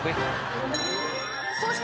［そして］